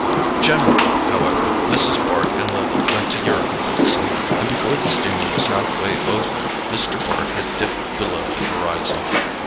Generally, however, Mrs. Bart and Lily went to Europe for the summer, and before the steamer was half way over Mr. Bart had dipped below the horizon.